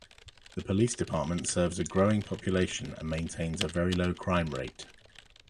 The Police department serves a growing population and maintains a very low crime rate.